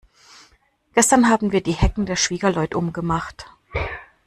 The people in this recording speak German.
Gestern haben wir die Hecken der Schwiegerleut um gemacht.